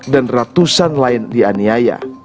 dan ratusan lain dianiaya